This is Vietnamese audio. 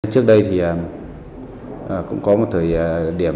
trước đây thì cũng có một thời điểm